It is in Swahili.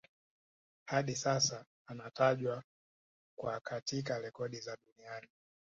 Hadi sasa anatajwa kwa katika rekodi za duniani